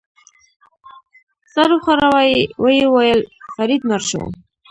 سر وښوراوه، ویې ویل: فرید مړ شو.